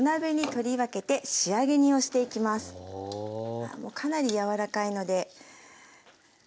ああもうかなり柔らかいので。